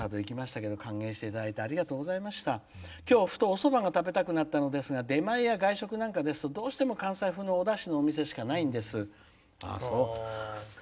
きょう、ふとおそばが食べたくなったんですが出前や外食なんかですと関西風のおだしのお店しかないんです。